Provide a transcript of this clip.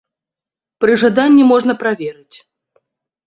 Пры жаданні можна праверыць.